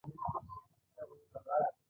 لیسټرډ وویل چې زه هم همداسې فکر کوم.